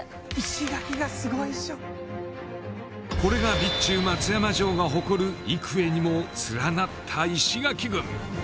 これが備中松山城が誇る幾重にも連なった石垣群